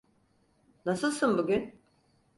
Nasılsın bugün?